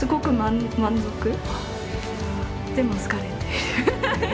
でも疲れている。